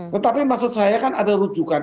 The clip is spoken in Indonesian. tetapi maksud saya kan ada rujukan